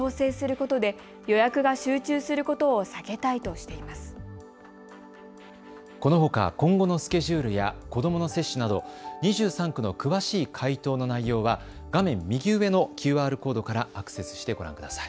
このほか今後のスケジュールや子どもの接種など２３区の詳しい回答の内容は画面右上のＱＲコードからアクセスしてご覧ください。